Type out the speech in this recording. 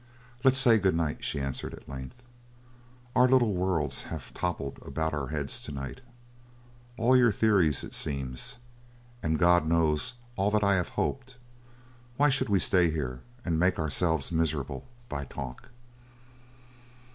"Let's say good night," she answered, at length. "Our little worlds have toppled about our heads to night all your theories, it seems, and, God knows, all that I have hoped. Why should we stay here and make ourselves miserable by talk?"